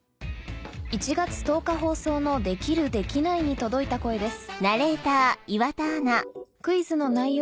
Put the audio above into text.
１月１０日放送の『できる？できない？』に届いた声です